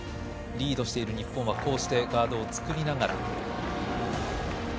リードしている日本はガードを作りながら。